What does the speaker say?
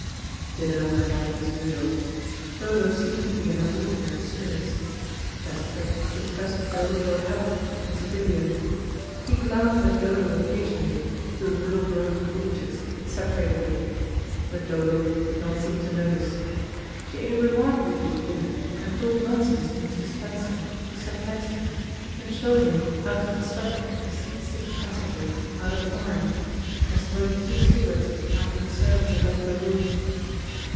Dinner went off as usual. Dodo seemed to be in her ordinary, spirits. Chesterford discussed parochial help with Mrs. Vivian. He glanced at Dodo occasionally through the little grove of orchids that separated them, but Dodo did not seem to notice. She ate a remarkably good dinner, and talked nonsense to Mr. Spencer who sat next her, and showed him how to construct a sea sick passenger out of an orange, and smoked two cigarettes after the servants had left the room.